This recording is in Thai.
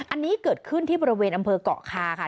อันนี้เกิดขึ้นที่บริเวณอำเภอกเกาะคาค่ะ